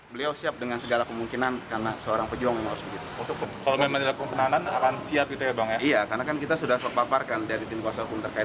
mungkin kita akan ajukan pra peradilan